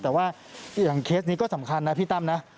แต่ว่าอีกอย่างเคสนี้ก็สำคัญนะพี่ตั้มนะ